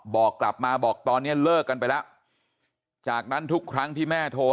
บอกกลับมาบอกตอนนี้เลิกกันไปแล้วจากนั้นทุกครั้งที่แม่โทร